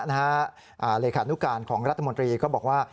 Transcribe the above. เลขานุการของรัฐมนตรีก็บอกว่า